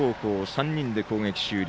３人で攻撃終了。